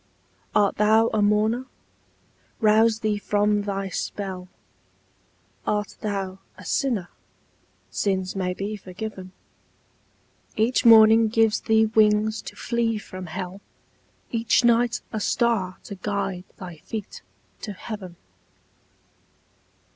Art thou a mourner? Rouse thee from thy spell ; Art thou a sinner? Sins may be forgiven ; Each morning gives thee wings to flee from hell, Each night a star to guide thy feet to heaven.